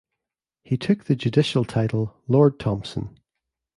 He took the judicial title Lord Thomson.